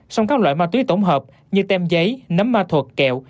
song các loại ma túy tổng hợp như tem giấy nấm ma thuật kẹo